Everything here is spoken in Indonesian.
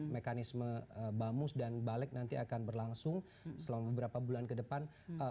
mekanisme bamus dan balek nanti akan berlangsung selama beberapa bulan ke depan